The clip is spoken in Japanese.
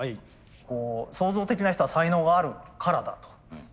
創造的な人は才能があるからだと。